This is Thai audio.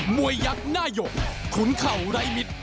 มวยักหน้าหยกขุนเข่าไรมิด